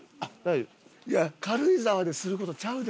いや軽井沢でする事ちゃうで？